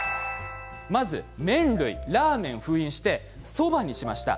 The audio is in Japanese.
まず麺類、ラーメンを封印してそばにしました。